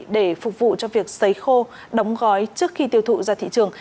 để phục vụ cho việc xấy khô đóng gói trước khi tiêu thụ ra thị trường